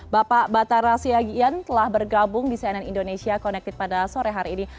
bapak batara siagian telah bergabung di cnn indonesia connected pada sore hari ini